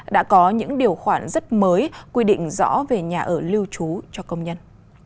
đã có những điều khoản rất mới quy định rõ về nhà ở lưu trú cho công nhân